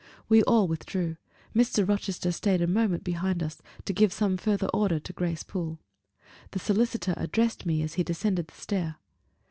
We all withdrew. Mr. Rochester stayed a moment behind us, to give some further order to Grace Poole. The solicitor addressed me as he descended the stair.